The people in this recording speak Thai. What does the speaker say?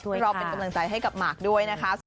รอเป็นกำลังใจให้กับมาร์คด้วยนะครับ